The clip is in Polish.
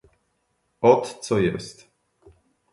"Ot, co jest!"